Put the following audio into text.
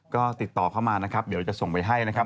ก็ติดต่อเข้ามานะครับเดี๋ยวจะส่งไปให้นะครับ